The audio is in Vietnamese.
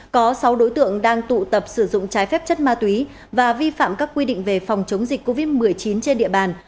có sáu đối tượng đang tụ tập sử dụng trái phép chất ma túy và vi phạm các quy định về phòng chống dịch covid một mươi chín trên địa bàn